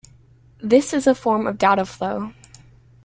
This is a form of dataflow.